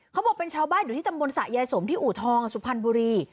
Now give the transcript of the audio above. เขาบอกเป็นชาวบ้านอยู่ที่ตำบลสะยายสมที่อูทองสุพรรณบุรี